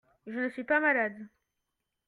Je ne suis pas malade.